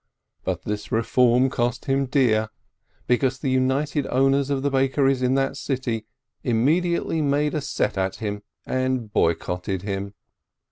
But this reform cost him dear, because the united owners of the bakeries in that city immediately made a set at him and boycotted him.